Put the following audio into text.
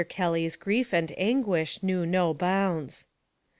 Kelly's grief and anguish knew no bounds.